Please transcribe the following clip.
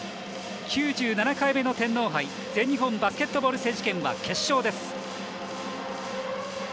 ９７回目の天皇杯全日本バスケットボール選手権は決勝です。